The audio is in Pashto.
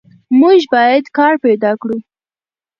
موږ باید کار پیدا کړو.